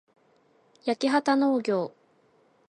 やきはたのうぎょう